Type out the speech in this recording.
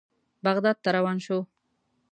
بغداد ته روان شوو.